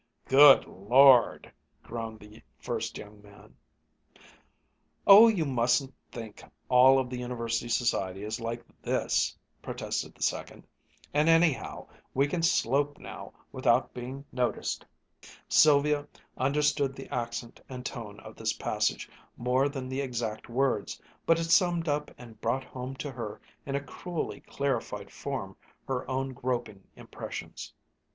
"Good Lord!" groaned the first young man. "Oh, you mustn't think all of the University society is like this!" protested the second. "And anyhow, we can slope now, without being noticed," Sylvia understood the accent and tone of this passage more than the exact words, but it summed up and brought home to her in a cruelly clarified form her own groping impressions.